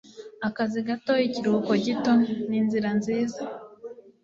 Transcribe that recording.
akazi gato, ikiruhuko gito, ninzira nziza